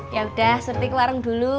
yaudah surti ke warung dulu